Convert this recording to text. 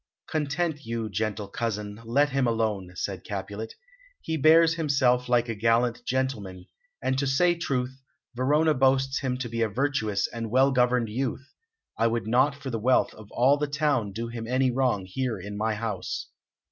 "Content you, gentle cousin, let him alone," said Capulet. "He bears himself like a gallant gentleman, and to say truth, Verona boasts him to be a virtuous and well governed youth. I would not for the wealth of all the town do him any wrong here in my house.